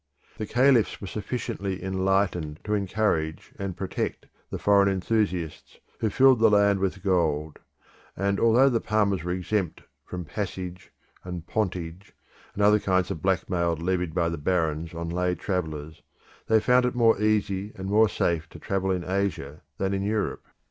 The caliphs were sufficiently enlightened to encourage and protect the foreign enthusiasts who filled the land with gold; and although the palmers were exempt from "passage" and "pontage" and other kinds of blackmail levied by the barons on lay travellers, they found it more easy and more safe to travel in Asia than in Europe.